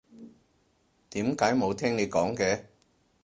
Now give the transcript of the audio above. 點解冇聽你講嘅？